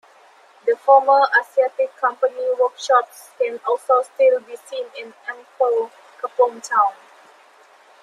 The former Asiatic Company workshops can also still be seen in Amphoe Kapong town.